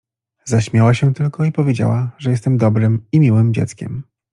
— Zaśmiała się tylko i powiedziała, że jestem dobrym i miłym dzieckiem.